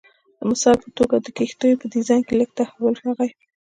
د مثال په توګه د کښتیو په ډیزاین کې لږ تحول راغی